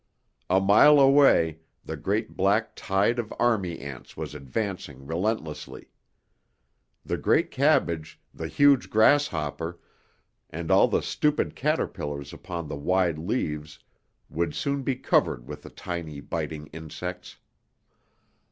A mile away, the great black tide of army ants was advancing relentlessly. The great cabbage, the huge grasshopper, and all the stupid caterpillars upon the wide leaves would soon be covered with the tiny biting insects.